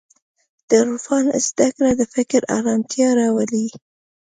د عرفان زدهکړه د فکر ارامتیا راولي.